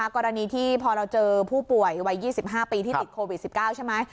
กรณีที่พอเราเจอผู้ป่วยวัย๒๕ปีที่ติดโควิด๑๙ใช่ไหม